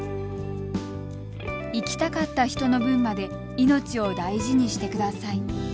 「生きたかった人の分まで命を大事にしてください」。